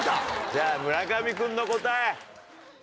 じゃあ村上君の答え。